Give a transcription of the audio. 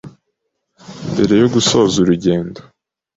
Mbere yo gusoza urugendo